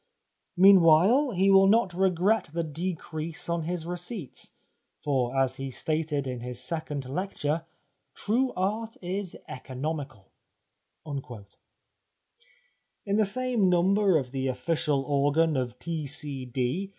Meanwhile he will not regret the decrease on his receipts, for as 262 The Life of Oscar Wilde he stated in his second lecture :' True Art is economical.' " In the same number of the official organ of T.C.